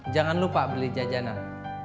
jangan lupa beli jajanan